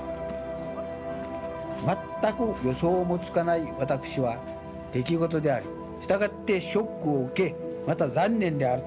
全く予想もつかない私は出来事でありしたがってショックを受けまた残念であると。